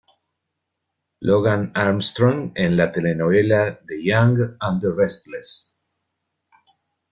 Logan Armstrong en la telenovela "The Young and the Restless".